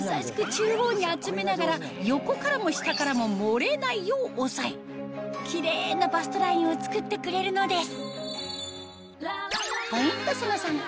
中央に集めながら横からも下からも漏れないよう押さえキレイなバストラインを作ってくれるのです